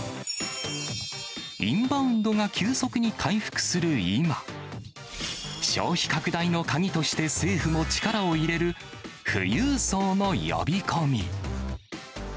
インバウンドが急速に回復する今、消費拡大の鍵として、政府も力を入れる富裕層の呼び込み。